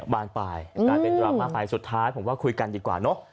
บานปลายกลายเป็นดราม่าไปสุดท้ายผมว่าคุยกันดีกว่าเนอะ